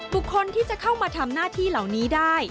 บุคคลที่จะเข้ามาทำหน้าที่เหล่านี้ได้